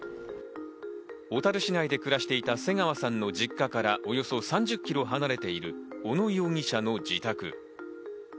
小樽市内で暮らしていた瀬川さんの実家からおよそ３０キロ離れている小野容疑者の自宅。